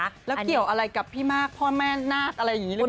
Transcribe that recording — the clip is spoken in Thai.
แล้วเกี่ยวอะไรกับพี่มากพ่อแม่นาคอะไรอย่างนี้หรือเปล่า